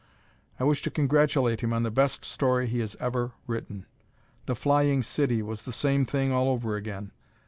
I wish to congratulate him on the best story he has ever written! "The Flying City" was the same thing all over again.